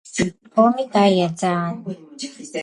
ღომი კაია ძაანნ